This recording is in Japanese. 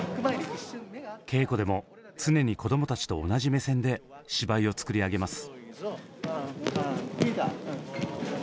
稽古でも常にこどもたちと同じ目線で芝居を作り上げます。